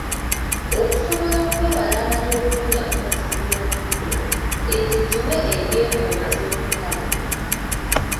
Okusobola okwewala amata okuwunyamu olusu lw’omuddo, ente giwe erye ng’omaze okukama .